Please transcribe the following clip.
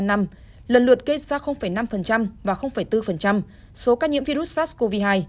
lần lượt gây ra năm và bốn số ca nhiễm virus sars cov hai